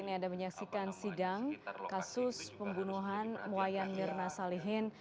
saat ini ada menyaksikan sidang kasus pembunuhan muwayang yerna salihin